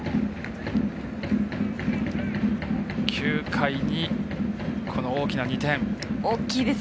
９回に、大きな２点。